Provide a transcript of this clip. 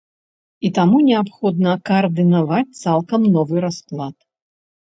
І таму неабходна каардынаваць цалкам новы расклад.